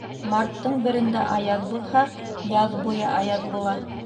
Марттың берендә аяҙ булһа, яҙ буйы аяҙ була.